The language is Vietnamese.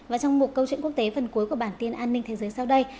và trong một câu chuyện quốc tế phần cuối của bản tin an ninh thế giới sau đây